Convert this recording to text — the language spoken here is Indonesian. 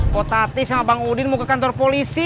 kok tadi sama bang udin mau ke kantor polisi